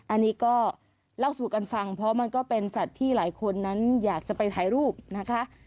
อันนี้ก็เล่าสู่กันฟังเพราะมันก็เป็นสัตว์ที่หลายคนนั้นอยากจะไปถ่ายรูปนะคะ